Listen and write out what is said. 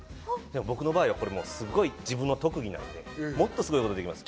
僕の場合は自分の特技なんで、もっとすごいことができます。